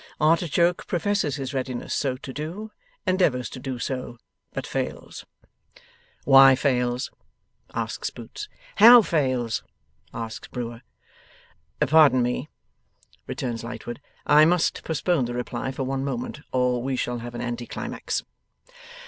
Artichoke professes his readiness so to do, endeavours to do so, but fails.' 'Why fails?' asks Boots. 'How fails?' asks Brewer. 'Pardon me,' returns Lightwood, 'I must postpone the reply for one moment, or we shall have an anti climax.